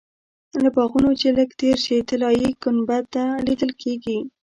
له باغونو چې لږ تېر شې طلایي ګنبده لیدل کېږي.